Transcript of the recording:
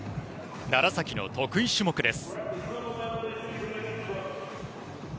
楢崎の得意種目です。